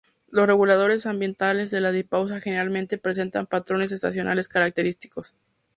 Los reguladores ambientales de la diapausa generalmente presentan patrones estacionales característicos.